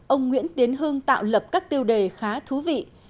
ông nguyễn tiến hưng tạo lập các tiêu đề khá thú vị